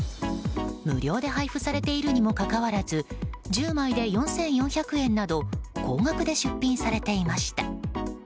無料で配布されているにもかかわらず１０枚で４４００円など高額で出品されていました。